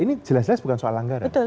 ini jelas jelas bukan soal anggaran